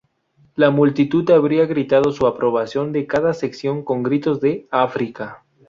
La multitud había gritado su aprobación de cada sección con gritos de "¡África!